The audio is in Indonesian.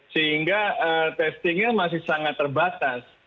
sehingga testingnya masih sangat terbatas